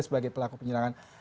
sebagai pelaku penyiraman